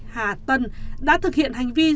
hà tân đã thực hiện hành vi